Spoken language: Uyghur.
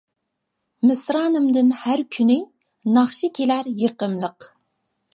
مىسرانىمدىن ھەر كۈنى، ناخشا كېلەر يېقىملىق.